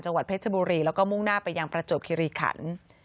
จังหวัดเพชรบุรีแล้วก็มุ่งหน้าไปยังประจวบคิริขัน